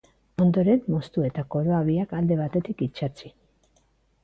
Ondoren, moztu eta koroa biak alde batetik itsatsi.